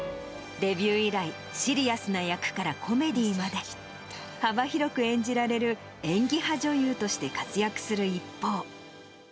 デビュー以来、シリアスな役からコメディーまで、幅広く演じられる演技派女優として活躍する一方。